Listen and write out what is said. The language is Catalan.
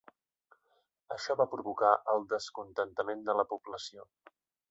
Això va provocar el descontentament de la població.